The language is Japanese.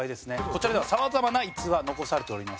こちらではさまざまな逸話残されております。